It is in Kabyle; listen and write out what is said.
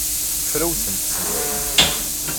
Frawsen seg usemmiḍ.